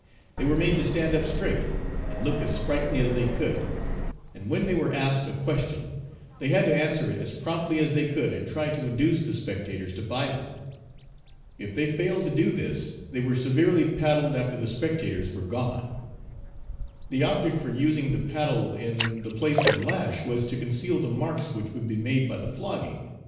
They were made to stand up straight, and look as sprightly as they could; and when they were asked a question, they had to answer it as promptly as they could, and try to induce the spectators to buy them. If they failed to do this, they were severely paddled after the spectators were gone. The object for using the paddle in the place of a lash was, to conceal the marks which would be made by the flogging.